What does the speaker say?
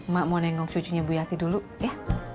mak mau nengok cucunya bu yati dulu ya